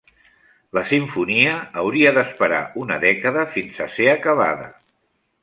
La simfonia hauria d'esperar una dècada fins a ser acabada.